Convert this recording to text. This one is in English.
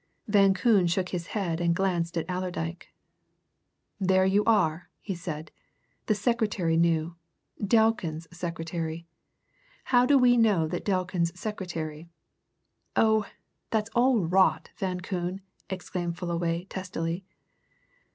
Van Koon shook his head and glanced at Allerdyke. "There you are!" he said. "The secretary knew Delkin's secretary! How do we know that Delkin's secretary ?" "Oh, that's all rot, Van Koon!" exclaimed Fullaway testily.